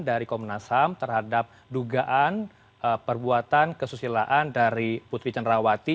dari komnas ham terhadap dugaan perbuatan kesusilaan dari putri cenrawati